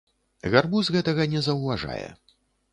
Гарбуз гэтага не заўважае.